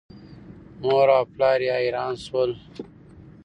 مور او پلار یې حیران شول.